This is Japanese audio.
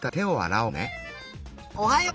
おはよう。